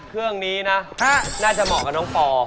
เครื่องนี้นะน่าจะเหมาะกับน้องปอ